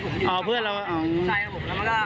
ไล่มาแล้วคราวนี้เด็กซ้อนท้ายผู้ควรอ่ะภูเขวอริอ่ะ